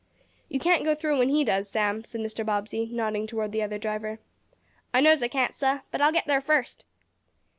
"You can't go through when he does, Sam," said Mr. Bobbsey, nodding toward the other driver. "I knows I can't, sah. But I'll get there first."